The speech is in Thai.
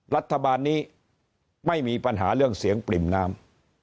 รัฐบาลนี้ไม่มีปัญหาเรื่องเสียงปริ่มน้ำ